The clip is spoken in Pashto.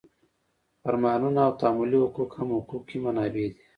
فرمانونه او تعاملي حقوق هم حقوقي منابع دي.